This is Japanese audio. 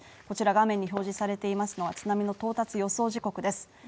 こちら画面に表示されていますのは津波の到達予想時刻です